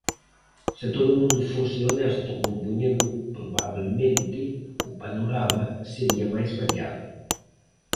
Se todo o mundo fose honesto compoñendo probabelmente o panorama sería máis variado.